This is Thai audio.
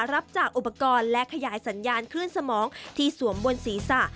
รับจากอุปกรณ์และขยายสัญญาณคลื่นสมองที่สวมบนศีรษะ